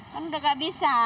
kan udah kehabisan